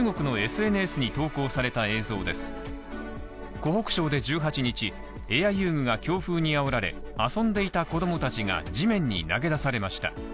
湖北省でエア遊具が強風にあおられ、遊んでいた子供たちが地面に投げ出されました。